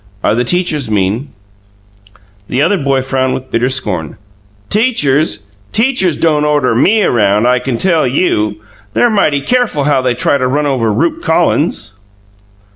"Are the teachers mean?" The other boy frowned with bitter scorn. "Teachers! Teachers don't order ME around, I can tell you! They're mighty careful how they try to run over Rupe Collins."